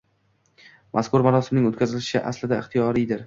Mazkur marosimning o‘tkazilishi aslida ixtiyoriydir